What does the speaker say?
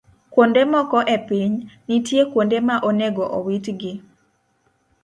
Kuonde moko e piny, nitie kuonde ma onego owitgi.